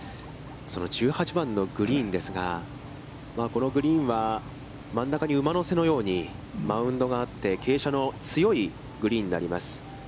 その１８番のグリーンですが、このグリーンは、真ん中に馬の背のようにマウンドがあって、傾斜の強いグリーンになります。